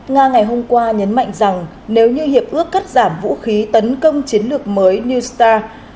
nga ngày hôm qua nhấn mạnh rằng nếu như hiệp ước cắt giảm vũ khí tấn công chiến lược mới sta